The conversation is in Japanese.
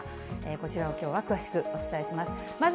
こちらをきょうは詳しくお伝えします。